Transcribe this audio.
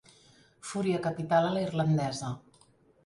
Fúria capital a la irlandesa.